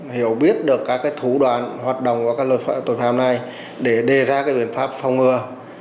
hiểu biết được các thủ đoàn hoạt động của các tội phạm này để đề ra biện pháp phong ngừa